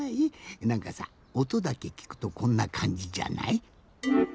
なんかさおとだけきくとこんなかんじじゃない？